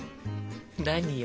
何よ？